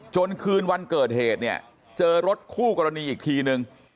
จนคืนวันเกิดเหตุเจอรถคู่กรณีอีกทีหนึ่ง